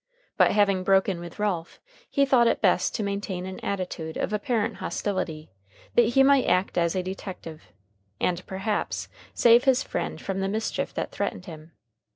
But having broken with Ralph, he thought it best to maintain an attitude of apparent hostility, that he might act as a detective, and, perhaps, save his friend from the mischief that threatened him.